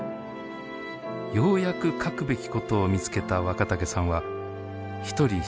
ようやく書くべきことを見つけた若竹さんは一人執筆に没頭しました。